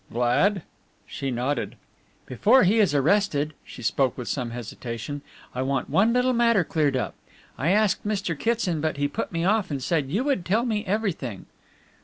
"Glad?" She nodded. "Before he is arrested," she spoke with some hesitation, "I want one little matter cleared up. I asked Mr. Kitson, but he put me off and said you would tell me everything."